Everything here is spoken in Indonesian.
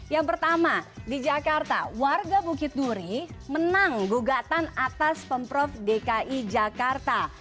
yang pertama di jakarta warga bukit duri menang gugatan atas pemprov dki jakarta